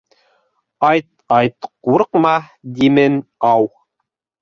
— Айт, айт, ҡурҡма димен ау!